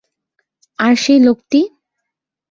আর সেই লোকটি?